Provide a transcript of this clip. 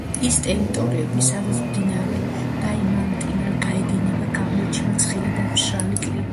ის ტერიტორიები სადაც მდინარე დაიმანტინა გაედინება გამოირჩევა ცხელი და მშრალი კლიმატით.